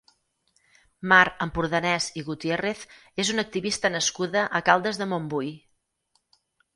Mar Ampurdanès i Gutiérrez és una activista nascuda a Caldes de Montbui.